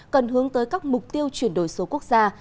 cần hướng tới các mục tiêu chuyển đổi số quốc gia